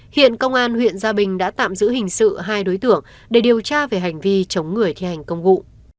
hiện công an huyện gia bình đã tạm giữ hình sự hai đối tượng để điều tra về hành vi chống người thi hành công vụ